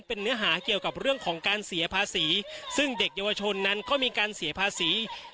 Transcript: เป็นเนื้อหาเกี่ยวกับเรื่องของการเสียภาษีซึ่งเด็กเยาวชนนั้นก็มีการเสียภาษี